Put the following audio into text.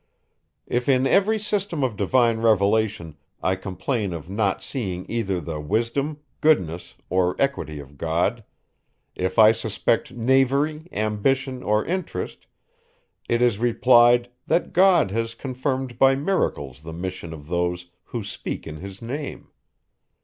If in every system of divine revelation, I complain of not seeing either the wisdom, goodness, or equity of God; if I suspect knavery, ambition, or interest; it is replied, that God has confirmed by miracles the mission of those, who speak in his name.